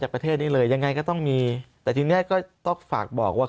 ประเทศนี้เลยยังไงก็ต้องมีแต่ทีนี้ก็ต้องฝากบอกว่า